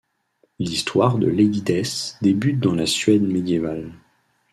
L'histoire de Lady Death débute dans la Suède médiévale.